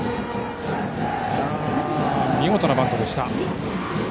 見事なバントでした。